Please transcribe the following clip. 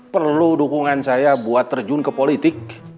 perlu dukungan saya buat terjun ke politik